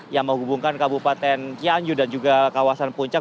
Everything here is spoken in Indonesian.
yang menghubungkan kabupaten cianju dan juga kawasan puncak